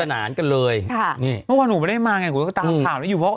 เมื่อเมื่อหนูไม่ได้มาไงเขาตามถามแล้วอยู่